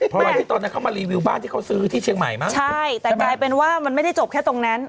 เพราะว่าที่ตอนนั้นเขามารีวิวบ้านที่เขาซื้อที่เชียงใหม่มั้งใช่แต่กลายเป็นว่ามันไม่ได้จบแค่ตรงนั้น